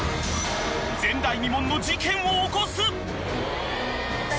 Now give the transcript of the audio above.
前代未聞の事件を起こす。